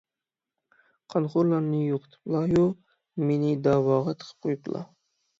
قانخورلارنى يوقىتىپلايۇ، مېنى دەۋاغا تىقىپ قويۇپتىلا.